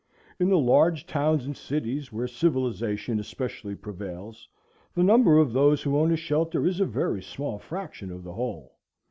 In the large towns and cities, where civilization especially prevails, the number of those who own a shelter is a very small fraction of the whole.